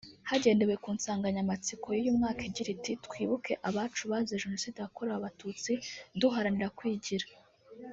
Hagendewe ku nsanganyamatsiko y’uyu mwaka igira iti “Twibuke abacu bazize Jenoside yakorewe Abatutsi duharanira kwigira”